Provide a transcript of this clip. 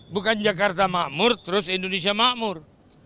bukan jakarta makmur terus indonesia makmur